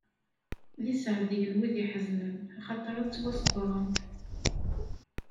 D iseɛdiyen, wid iḥeznen, axaṭer ad ttwaṣebbren!